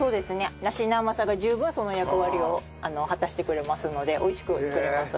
梨の甘さが十分その役割を果たしてくれますので美味しく作れます。